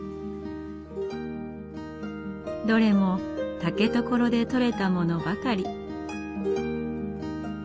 どれも竹所で取れたものばかり。